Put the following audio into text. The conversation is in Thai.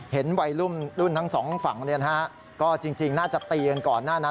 เห็นวัยรุ่นทั้งสองฝั่งเนี่ยนะฮะก็จริงน่าจะตีกันก่อนหน้านั้น